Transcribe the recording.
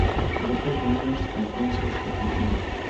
Boca JuniorsCampeón"Sexto título"